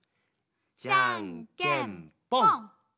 じゃんけんぽん！